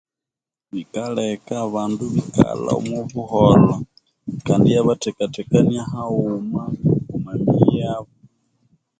Yikaleka abandu ibikalha omwa buholho kandi yabathekathekania omwa miyi yabu